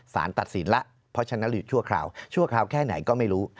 สารตัดสินแล้วเพราะฉะนั้นหยุดชั่วคราวชั่วคราวแค่ไหนก็ไม่รู้